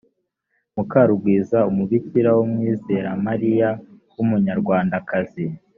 mukarugwiza umubikira w’umwizeramariya w’umunyarwandakazi